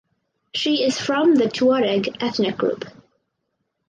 She is from the Tuareg ethnic group.